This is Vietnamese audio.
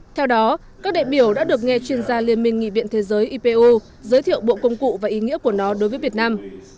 theo đó các đại biểu đã được nghe chuyên gia liên minh nghị viện thế giới ipu giới thiệu bộ công cụ và ý nghĩa của nó đối với việt nam